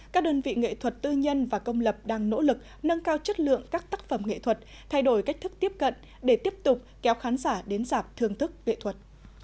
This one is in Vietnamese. các đơn vị nghệ thuật tư nhân và công lập đang nỗ lực nâng cao chất lượng các tác phẩm nghệ thuật thay đổi cách thức tiếp cận để tiếp tục kéo khán giả đến giảm thương thức nghệ thuật